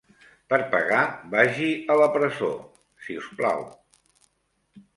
Per pagar vagi a la presó, si us plau.